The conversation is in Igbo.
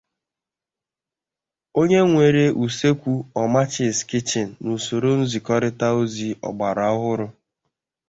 onye nwere usekwu 'Omachis Kitchen' n'usoro nzikọrịta ozi ọgbaraọhụrụ